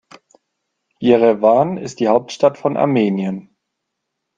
Jerewan ist die Hauptstadt von Armenien.